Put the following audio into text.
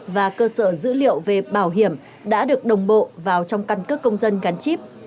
và cơ sở dữ liệu về bảo hiểm đã được đồng bộ vào trong căn cước công dân gắn chip